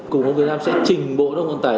cùng hồng việt nam sẽ trình bộ đồng hồn tài